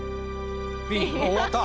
終わった。